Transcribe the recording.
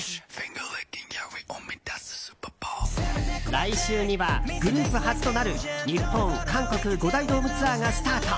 来週には、グループ初となる日本・韓国５大ドームツアーがスタート。